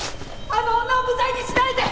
あの女を無罪にしないで！